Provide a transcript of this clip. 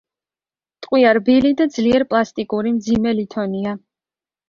ტყვია რბილი და ძლიერ პლასტიკური მძიმე ლითონია.